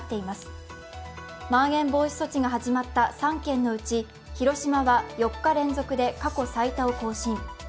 まん延防止措置が始まった３県のうち広島は４日連続で過去最多を更新